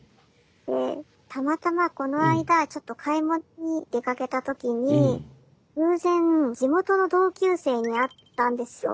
でたまたまこの間ちょっと買い物に出かけた時に偶然地元の同級生に会ったんですよ。